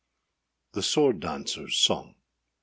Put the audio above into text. THE SWORD DANCERSâ SONG.